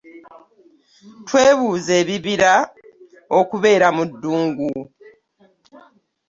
Twebuuza ebibira okubeera mu ddungu .